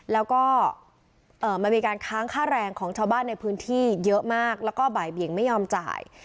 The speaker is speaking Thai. แล้วก็มันมีการค้างค่าแรงของชาวบ้านในพื้นที่เยอะมากแล้วก็บ่ายเบียงไม่ยอมจ่าย